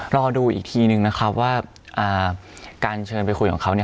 รอดูอีกทีนึงนะครับว่าการเชิญไปคุยของเขา